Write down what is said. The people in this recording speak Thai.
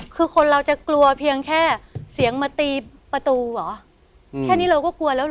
คือคนเราจะกลัวเพียงแค่เสียงมาตีประตูเหรอแค่นี้เราก็กลัวแล้วเห